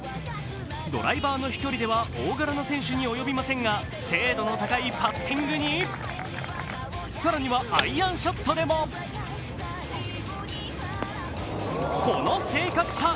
ドライバーの飛距離では大柄の選手に及びませんが精度の高いパッティングに更にはアイアンショットでもこの正確さ。